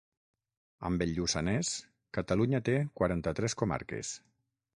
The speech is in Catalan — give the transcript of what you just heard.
Amb el Lluçanès, Catalunya té quaranta-tres comarques.